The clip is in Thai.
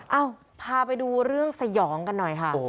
เอ้าพาไปดูเรื่องสยองกันหน่อยค่ะ